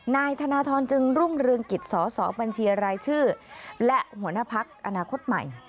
นายธนทรจึงรุ่งเรืองกิจสสบัญชีรายชื่อและหัวหน้าพักอนาคตใหม่